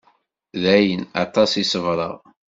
Dayen, aṭas i ṣebreɣ.